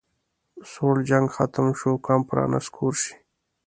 سوړ جنګ ختم شو کمپ رانسکور شو